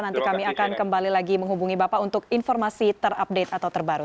nanti kami akan kembali lagi menghubungi bapak untuk informasi terupdate atau terbaru